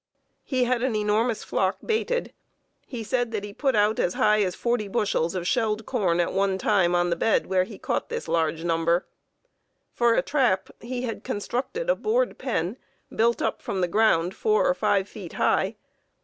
He had an enormous flock baited. He said that he put out as high as forty bushels of shelled corn at one time on the bed where he caught this large number. For a trap, he had constructed a board pen built up from the ground four or five feet high.